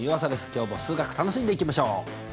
今日も数学楽しんでいきましょう。